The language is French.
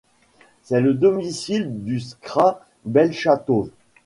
C'est le domicile du Skra Bełchatów.